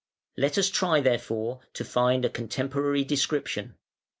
Let us try, therefore, to find a contemporary description.